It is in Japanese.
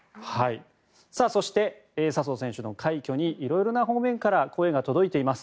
そして、笹生選手の快挙に色々な方面から声が届いています。